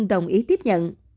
nhưng không đồng ý tiếp nhận